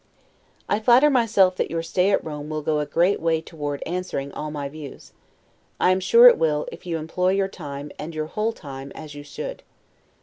I flatter myself, that your stay at Rome will go a great way toward answering all my views: I am sure it will, if you employ your time, and your whole time, as you should.